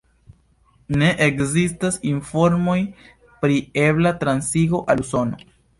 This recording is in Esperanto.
Ne ekzistas informoj pri ebla transigo al Usono.